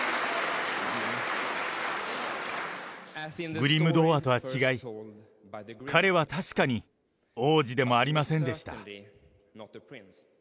グリム童話とは違い、彼は確かに、王子でもありませんでした。